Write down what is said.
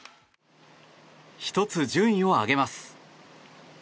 １つ順位を上げます。